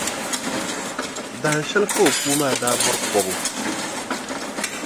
Dahinshɛli ka o puu maa daa bɔri kɔbu.